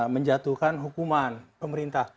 menjatuhkan hukuman pemerintah